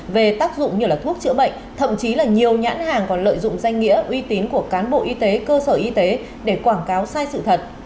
về tác dụng như thuốc chữa bệnh thậm chí là nhiều nhãn hàng còn lợi dụng danh nghĩa uy tín của cán bộ y tế cơ sở y tế để quảng cáo sai sự thật